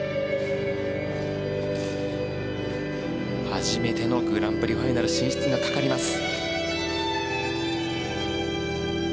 初めてのグランプリファイナル進出がかかります。